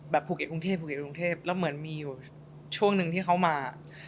แบบภูเขตคศแล้วเหมือนมีอยู่ช่วงนึงที่เขามา